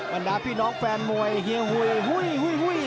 วันดาพี่น้องแฟนมวยเฮียฮุยฮุยฮุย